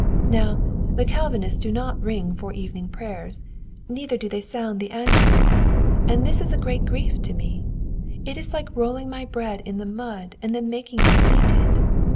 Now, the Calvinists do not ring for evening prayers, neither do they sound the Angelus, and this is a great grief to me. It is like rolling my bread in the mud and then making me eat it.